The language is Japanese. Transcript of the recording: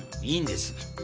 いいんです。